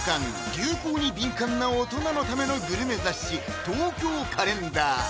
流行に敏感な大人のためのグルメ雑誌・「東京カレンダー」